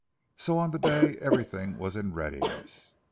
So on the day everything was in readiness.